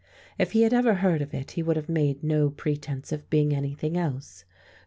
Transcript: If he had ever heard of it, he would have made no pretence of being anything else.